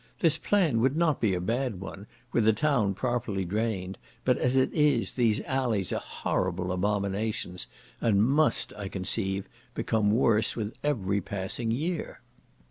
This plan would not be a bad one were the town properly drained, but as it is, these alleys are horrible abominations, and must, I conceive, become worse with every passing year.